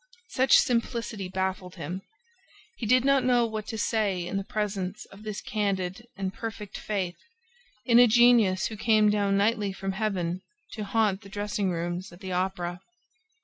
Such simplicity baffled him. He did not know what to say in the presence of this candid and perfect faith in a genius who came down nightly from Heaven to haunt the dressing rooms at the Opera.